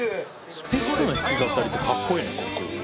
スピッツの弾き語りってかっこいいね。